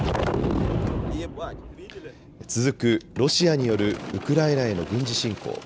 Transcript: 続くロシアによるウクライナへの軍事侵攻。